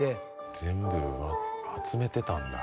全部集めてたんだ。